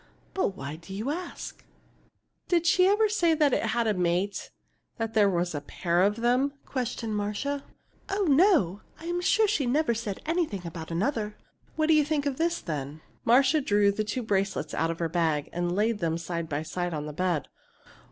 But why do you ask?" "Did she ever say it had a mate that there was a pair of them?" questioned Marcia. "Oh, no! I'm sure she never said anything about another." "What do you think of this, then?" Marcia drew the two bracelets out of her bag, and laid them side by side on the bed.